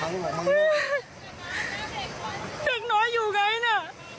เด็กน้อยอยู่ไงน่ะ